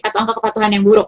atau angka kepatuhan yang buruk